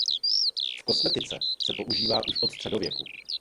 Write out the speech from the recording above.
V kosmetice se používá už od středověku.